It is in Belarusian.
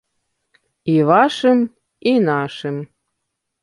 І вашым, і нашым.